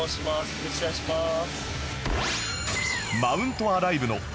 よろしくお願いします。